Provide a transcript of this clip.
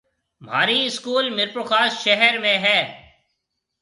مهارِي اسڪول ميرپورخاص شهر ۾ هيَ۔